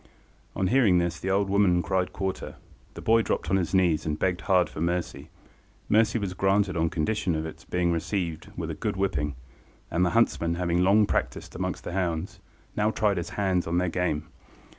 On hearing this, the old woman cried quarter. The boy dropped on his knees and begged hard for mercy. Mercy was granted on condition of its being received with a good whipping, and the huntsman, having long practised amongst the hounds, now tried his hand on their game.